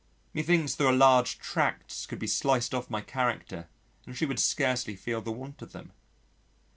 Methinks there are large tracts could be sliced off my character and she would scarcely feel the want of them.